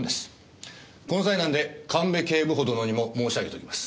この際なんで神戸警部補殿にも申し上げておきます。